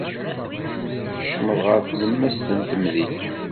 Tkeccmeḍ ɣer tlemmast n temdint.